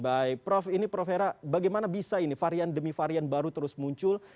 baik prof ini prof hera bagaimana bisa ini varian demi varian baru terus muncul